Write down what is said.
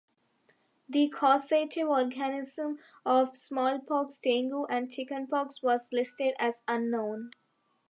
The causative organism of smallpox, dengue and chickenpox was listed as 'unknown.